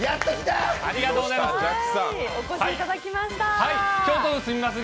ありがとうございます。